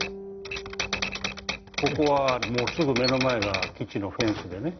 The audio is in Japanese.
ここはもうすぐ目の前が基地のフェンスでね